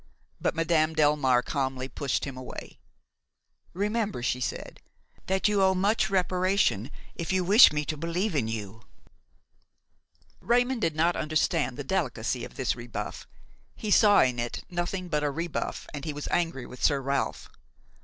But Madame Delmare calmly pushed him away. "Remember," she said, "that you owe much reparation if you wish me to believe in you." Raymon did not understand the delicacy of this rebuff; he saw in it nothing but a rebuff and he was angry with Sir Ralph.